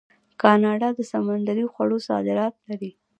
کاناډا د سمندري خوړو صادرات لري.